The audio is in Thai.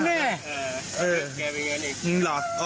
เออแกเป็นไงนี่